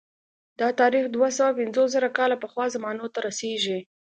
دا تاریخ دوه سوه پنځوس زره کاله پخوا زمانو ته رسېږي